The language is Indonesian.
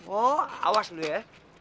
oh awas dulu ya